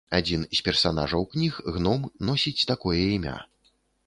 Адзін з персанажаў кніг, гном, носіць такое імя.